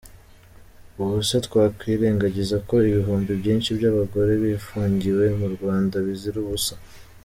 Ubuse twakwirengagizako ibihumbi byinshi by’abagore bifungiwe mu Rwanda bizira ubusa?